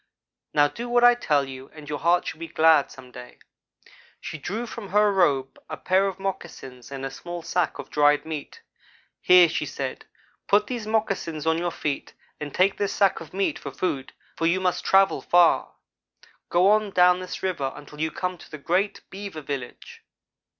"'Now do what I tell you, and your heart shall be glad some day.' She drew from her robe a pair of moccasins and a small sack of dried meat. 'Here,' she said, 'put these moccasins on your feet and take this sack of meat for food, for you must travel far. Go on down this river until you come to a great beaver village.